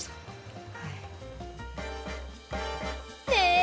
え！